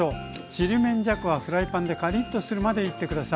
ちりめんじゃこはフライパンでカリっとするまでいって下さい。